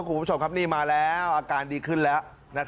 คุณผู้ชมครับนี่มาแล้วอาการดีขึ้นแล้ว